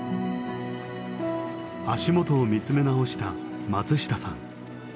足元を見つめ直した松下さん。